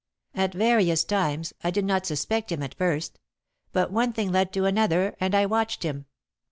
"At various times. I did not suspect him at first. But one thing led to another and I watched him.